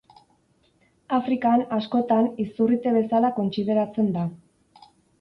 Afrikan, askotan, izurrite bezala kontsideratzen da.